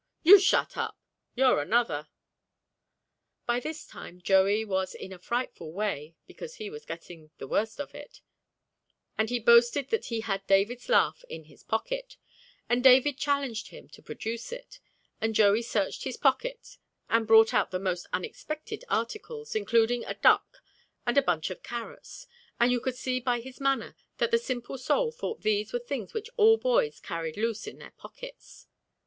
"You shut up." "You're another." By this time Joey was in a frightful way (because he saw he was getting the worst of it), and he boasted that he had David's laugh in his pocket, and David challenged him to produce it, and Joey searched his pockets and brought out the most unexpected articles, including a duck and a bunch of carrots; and you could see by his manner that the simple soul thought these were things which all boys carried loose in their pockets.